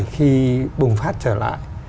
khi bùng phát trở lại